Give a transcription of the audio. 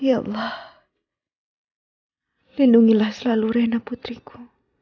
ya allah lindungilah selalu rena putriku